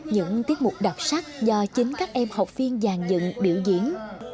những tiết mục đặc sắc do chính các em học viên giàn dựng biểu diễn